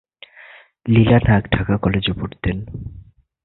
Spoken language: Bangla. লীলা নাগ ঢাকা কলেজে পড়তেন।